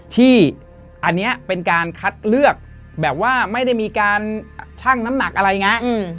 ที่อันนี้เป็นการคัดเลือกแบบว่าไม่ได้มีการชั่งน้ำหนักอะไรอย่างนี้